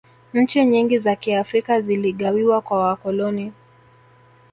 nchi nyingi za kiafrika ziligawiwa kwa wakoloni